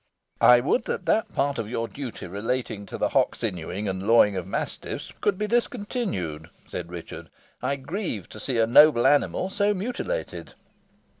"I would that that part of your duty relating to the hock sinewing, and lawing of mastiffs, could be discontinued," said Richard. "I grieve to see a noble animal so mutilated."